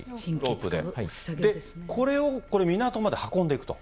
これを港まで運んでいくと？